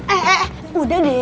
eh eh eh udah deh